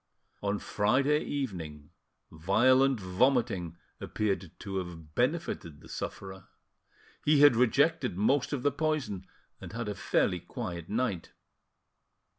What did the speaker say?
On Friday evening violent vomiting appeared to have benefited the sufferer. He had rejected most of the poison, and had a fairly quiet night.